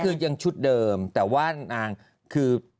ก็คือยังชุดเดิมแต่ว่านางคือไปยืนอยู่หน้า